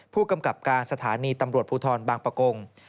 ผู้กำกับการสถานีตำรวจภูทรบางประกง